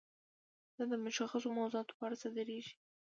دا د مشخصو موضوعاتو په اړه صادریږي.